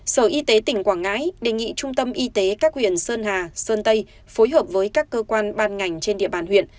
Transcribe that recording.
sở y tế tỉnh quảng ngãi đề nghị trung tâm y tế các huyện sơn hà sơn tây phối hợp với các cơ quan ban ngành trên địa bàn huyện